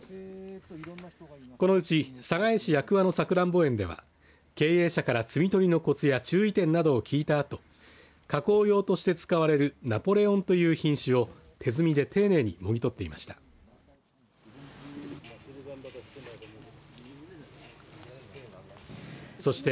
このうち寒河江市八鍬のさくらんぼ園では経営者から、摘み取りのこつや注意点などを聞いたあと加工用として使われるナポレオンという品種を手摘みで丁寧にもぎ取っていました。